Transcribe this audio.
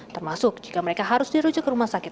termasuk jika mereka harus dirujuk ke rumah sakit